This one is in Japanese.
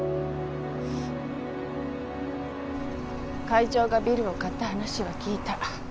会長がビルを買った話は聞いた。